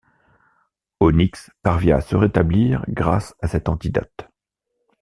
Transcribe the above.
Onyx parvient à se rétablir grâce à cet antidote.